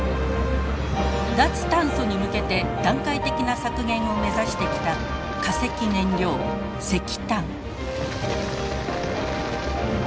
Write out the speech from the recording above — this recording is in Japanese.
脱炭素に向けて段階的な削減を目指してきた化石燃料石炭。